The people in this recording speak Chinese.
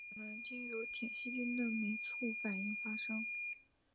氧化可能经由铁细菌的酶促反应发生。